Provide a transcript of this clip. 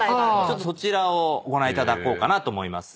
そちらをご覧いただこうかなと思います。